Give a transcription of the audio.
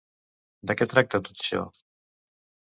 De què tracta tot això?